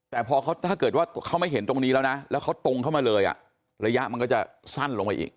แต่พอเขาถ้าเกิดว่าเขาไม่เห็นตรงนี้แล้วนะแล้วเขาตรงเข้ามาเลยระยะมันก็จะสั้นลงไปอีก